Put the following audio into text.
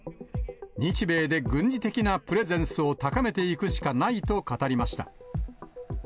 日米で軍事的なプレゼンスを高めていくしかないと語りました。